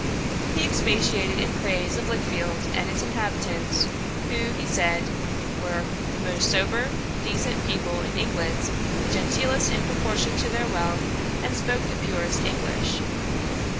He expatiated in praise of Lichfield and its inhabitants, who, he said, were 'the most sober, decent people in England, the genteelest in proportion to their wealth, and spoke the purest English.'